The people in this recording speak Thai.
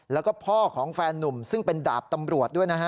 แล้วก็พ่อของแฟนนุ่มซึ่งเป็นดาบตำรวจด้วยนะฮะ